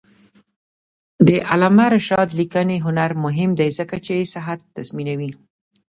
د علامه رشاد لیکنی هنر مهم دی ځکه چې صحت تضمینوي.